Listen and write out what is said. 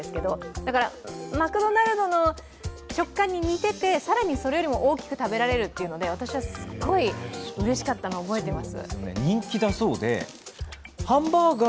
だから、マクドナルドの食感に似てて、さらにそれよりも多く食べられるというので私は、すっごいうれしかったの覚えてます。